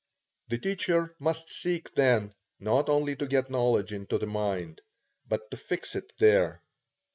The teacher must seek, then, not only to get knowledge into the mind, but to fix it there.